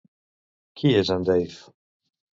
Qui és en Dave?